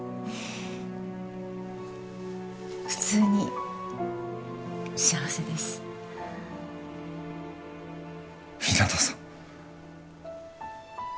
普通に幸せです日向さん